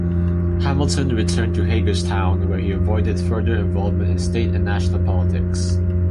Hamilton returned to Hagerstown where he avoided further involvement in state and national politics.